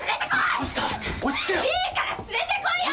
いいから連れてこいよ